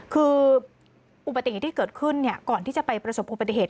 คืออุปสรรค์ที่เกิดขึ้นเนี่ยก่อนที่จะไปประสบความปฏิเหตุ